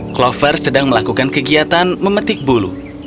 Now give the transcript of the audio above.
clover sedang melakukan kegiatan memetik bulu